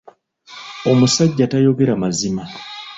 Omusajja tayogera mazima.